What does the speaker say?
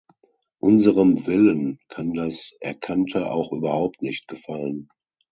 Unserem Willen kann das Erkannte auch überhaupt nicht gefallen.